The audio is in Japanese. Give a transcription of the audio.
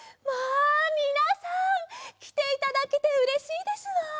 まあみなさんきていただけてうれしいですわ。